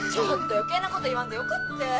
余計なこと言わんでよかって。